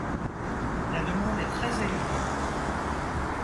La demande est très élevée.